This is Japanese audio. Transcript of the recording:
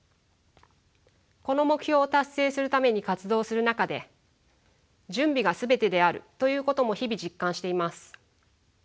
この目標を達成するために活動する中で準備が全てであるということも日々実感しています。